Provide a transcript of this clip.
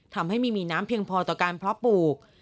ทำให้ไม่มีน้ำเพียงพอต่อการเพาะปลูก